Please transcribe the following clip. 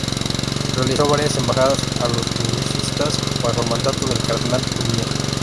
Realizó varias embajadas a los Husitas bajo el mandato del cardenal Julian.